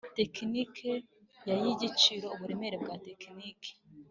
tekiniki n ay igiciro Uburemere bwa tekiniki